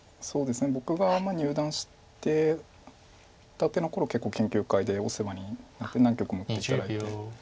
僕が入段したての頃結構研究会でお世話になって何局も打って頂いて。